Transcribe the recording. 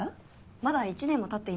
まだ１年もたっていなくて。